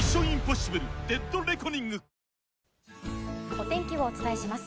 お天気をお伝えします。